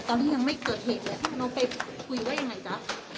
ตอนที่ยังไม่เกิดเหตุเลยพี่มนุษย์ไปคุยว่าอย่างไรจ๊ะ